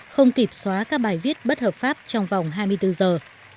không kịp xóa các bài viết bất hợp pháp trong vòng hai mươi bốn giờ